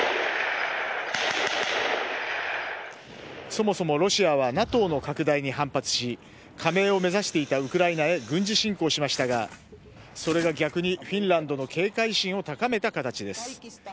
そもそもロシアはＮＡＴＯの拡大に反発し加盟を目指していたウクライナへ軍事侵攻しましたがそれが逆にフィンランドの警戒心を高めた形です。